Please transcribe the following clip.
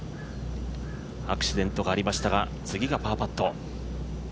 アクシデントがありましたが次がパーパット。